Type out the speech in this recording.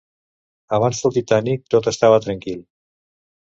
Abans del "Titanic", tot estava tranquil.